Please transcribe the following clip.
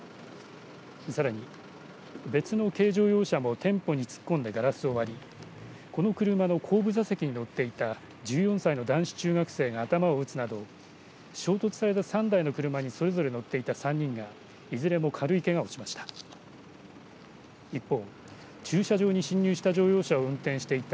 さらに別の軽乗用車も店舗に突っ込んでガラスを割りこの車の後部座席に乗っていた１４歳の男子中学生が頭を打つなど衝突された３台の車にそれぞれ乗っていた３人がいずれも軽いけがをしました。